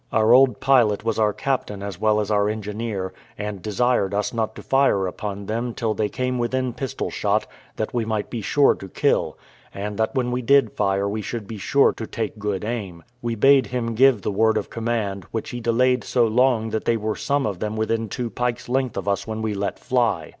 Our old pilot was our captain as well as our engineer, and desired us not to fire upon them till they came within pistol shot, that we might be sure to kill, and that when we did fire we should be sure to take good aim; we bade him give the word of command, which he delayed so long that they were some of them within two pikes' length of us when we let fly.